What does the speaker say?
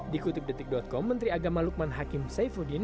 dikutip detik com menteri agama lukman hakim saifuddin